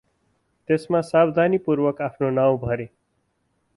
त्यसमा सावधानीपूर्वक आफ्नो नाउँ भरे ।